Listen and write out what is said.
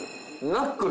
ナックル。